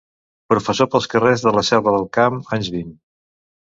Professó pels carrers de la Selva del Camp, anys vint.